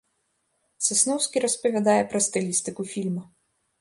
Сасноўскі распавядае пра стылістыку фільма.